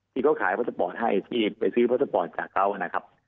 ที่เขาขายพัสปอร์ตให้ที่ไปซื้อพัสปอร์ตจากเขานะครับ